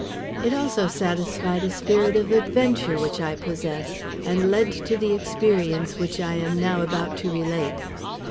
It also satisfied a spirit of adventure which I possess, and led to the experience which I am now about to relate.